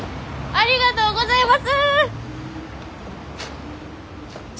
ありがとうございます！